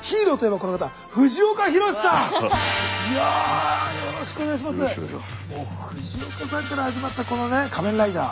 もう藤岡さんから始まったこのね「仮面ライダー」。